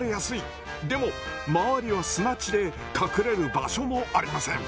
でも周りは砂地で隠れる場所もありません。